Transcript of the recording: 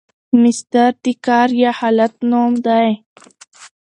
مصدر د کار یا حالت نوم دئ.